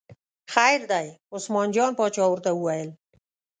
خیر دی، عثمان جان باچا ورته وویل.